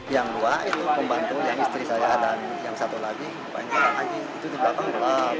yang dua itu pembantu yang istri saya ada yang satu lagi yang lain lagi itu di belakang